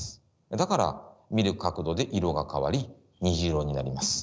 だから見る角度で色が変わり虹色になります。